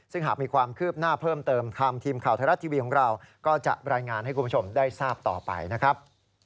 ซึ่งหากมีความคืบหน้าเพิ่มเติมทางทีมข่าวไทยรัฐทีวีของเราก็จะรายงานให้คุณผู้ชมได้ทราบต่อไปนะครับ